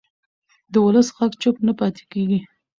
د ولس غږ چوپ نه پاتې کېږي